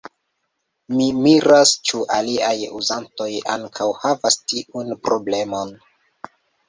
Mi miras, ĉu aliaj Uzantoj ankaŭ havas tiun Problemon.